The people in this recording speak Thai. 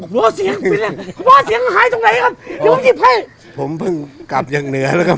พ่อเสียงเป็นอย่างไรเสียงขายจริงไงครับ